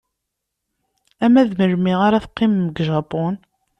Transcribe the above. Arma d melmi ara teqqimem deg Japun?